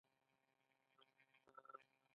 کېدای شوای چې دا ښکېلاکګر چینایان یا اینکایان وای.